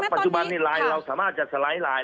ปัจจุบันนี้รายเราสามารถจะสไลด์ราย